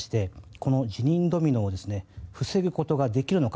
この辞任ドミノを防ぐことができるのか。